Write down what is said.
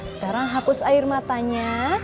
sekarang hapus air matanya